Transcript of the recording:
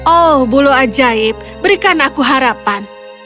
oh bulu ajaib berikan aku harapan